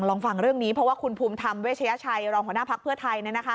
ลองฟังเรื่องนี้เพราะว่าคุณภูมิธรรมเวชยชัยรองหัวหน้าภักดิ์เพื่อไทย